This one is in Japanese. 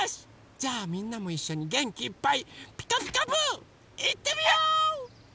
じゃあみんなもいっしょにげんきいっぱい「ピカピカブ！」いってみよう！